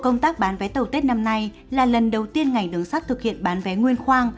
công tác bán vé tàu tết năm nay là lần đầu tiên ngành đường sắt thực hiện bán vé nguyên khoang